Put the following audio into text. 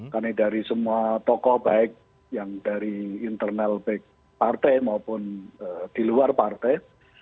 karena dari semua tokoh baik yang dari internal partai maupun di luar partai